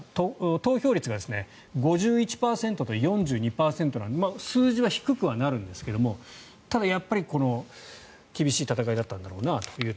投票率が５１％と４２％なので数字は低くはなるんですがただやっぱり厳しい戦いだったんだろうなと。